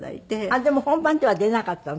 でも本番では出なかったの？